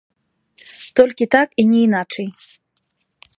Толькі так і не іначай!